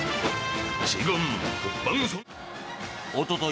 おととい